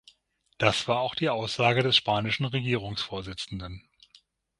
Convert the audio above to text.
Das war auch die Aussage des spanischen Regierungsvorsitzenden.